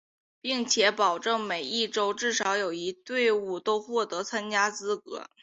并且保证每一洲至少有一队伍都获得参加资格。